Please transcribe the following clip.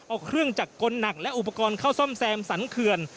เอาเครื่องจักรกลหนักและอุปกรณ์เข้าซ่อมแซมสรรเขื่อน